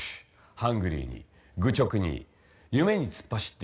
ハングリーに愚直に夢に突っ走ってきたジョブズ。